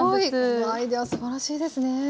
そのアイデアすばらしいですね。